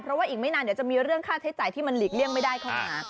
เพราะว่าอีกไม่นานเดี๋ยวจะมีเรื่องค่าใช้จ่ายที่มันหลีกเลี่ยงไม่ได้เข้ามา